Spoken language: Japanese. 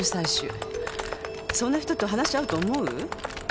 そんな人と話合うと思う？